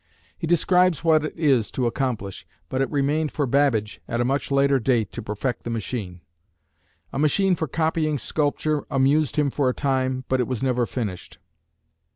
He describes what it is to accomplish, but it remained for Babbage at a much later date to perfect the machine. A machine for copying sculpture amused him for a time but it was never finished.